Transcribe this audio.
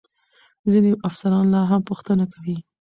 ځینې افسران لا هم پوښتنه کوي.